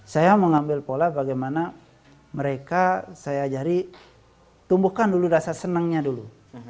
saya mengambil pola bagaimana mereka saya ajari tumbuhkan dulu rasa senangnya dulu